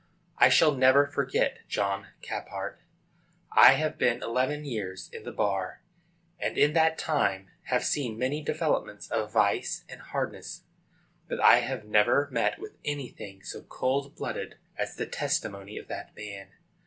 I shall never forget John Caphart. I have been eleven years at the bar, and in that time have seen many developments of vice and hardness, but I never met with anything so cold blooded as the testimony of that man.